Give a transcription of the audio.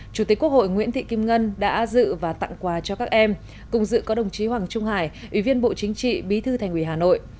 chủ tịch quốc hội nguyễn thị kim ngân đã dự và tặng quà cho các em cùng dự có đồng chí hoàng trung hải ủy viên bộ chính trị bí thư thành ủy hà nội